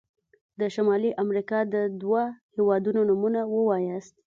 د شمالي امريکا د دوه هيوادونو نومونه ووایاست.